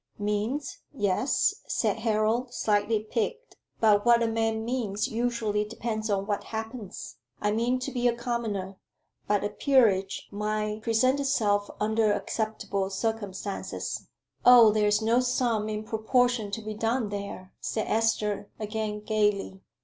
"Means? Yes," said Harold, slightly piqued, "but what a man means usually depends on what happens. I mean to be a commoner; but a peerage might present itself under acceptable circumstances." "Oh, there is no sum in proportion to be done there," said Esther, again gaily.